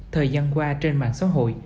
thời gian qua trên mạng xã hội